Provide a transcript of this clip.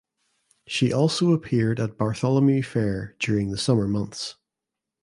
She also appeared at Bartholomew Fair during the summer months.